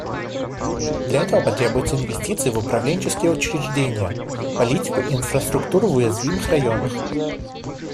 Для этого потребуются инвестиции в управленческие учреждения, политику и инфраструктуру в уязвимых районах.